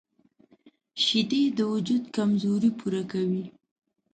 شیدې د وجود کمزوري پوره کوي